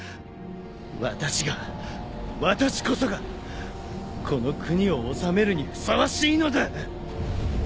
私が私こそがこの国を治めるにふさわしいのだ！